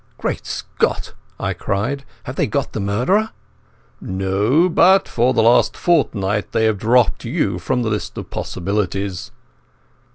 "Great Scot!" I cried. "Have they got the murderer?" "No. But for the last fortnight they have dropped you from the list of possibles."